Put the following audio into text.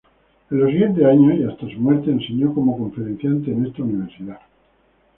En los siguientes años y hasta su muerte, enseño como conferenciante en esta universidad.